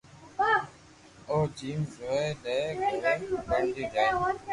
او ھيم چوندي لئين گھري پئچي جائين